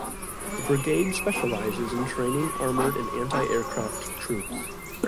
The brigade specialises in training armoured and anti-aircraft troops.